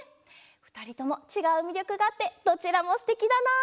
ふたりともちがうみりょくがあってどちらもすてきだな！